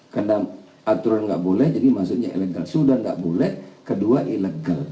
karena aturan tidak boleh maksudnya ilegal sudah tidak boleh kedua ilegal